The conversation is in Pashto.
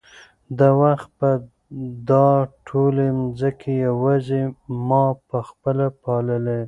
یو وخت به دا ټولې مځکې یوازې ما په خپله پاللې.